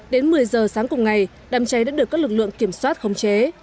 đến một mươi giờ sáng cùng ngày đám cháy đã được các lực lượng kiểm soát không cháy